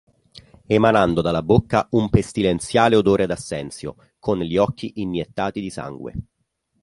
Emanando dalla bocca un pestilenziale odore d'assenzio, con gli occhi iniettati di sangue.